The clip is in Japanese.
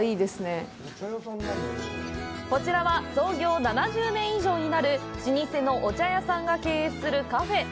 こちらは創業７０年以上になる老舗のお茶屋さんが経営するカフェ。